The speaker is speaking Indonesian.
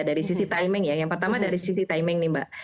dari sisi timing ya yang pertama dari sisi timing nih mbak